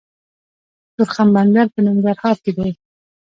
د تورخم بندر په ننګرهار کې دی